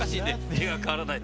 手が変わらない。